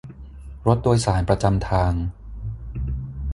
รถโดยสารประจำทาง